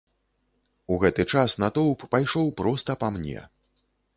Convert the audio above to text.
У гэты час натоўп пайшоў проста па мне.